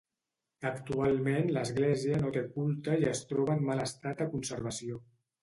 Actualment l'església no té culte i es troba en mal estat de conservació.